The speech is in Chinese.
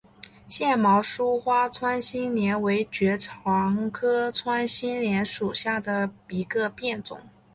腺毛疏花穿心莲为爵床科穿心莲属下的一个变种。